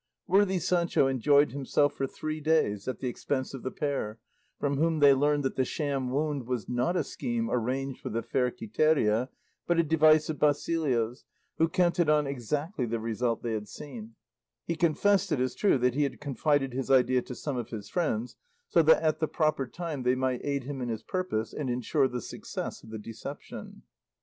Worthy Sancho enjoyed himself for three days at the expense of the pair, from whom they learned that the sham wound was not a scheme arranged with the fair Quiteria, but a device of Basilio's, who counted on exactly the result they had seen; he confessed, it is true, that he had confided his idea to some of his friends, so that at the proper time they might aid him in his purpose and insure the success of the deception.